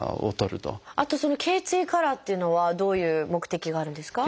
あとその頚椎カラーっていうのはどういう目的があるんですか？